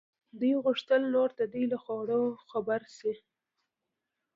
دوی غوښتل نور د دوی له خوړو خبر شي.